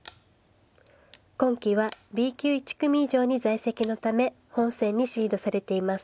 今期はＢ級１組以上に在籍のため本戦にシードされています。